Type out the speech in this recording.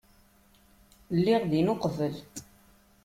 Lliɣ din uqbel.